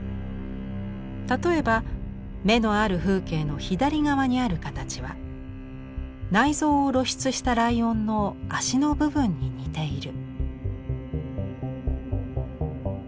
例えば「眼のある風景」の左側にある形は内臓を露出したライオンの足の部分に似ている。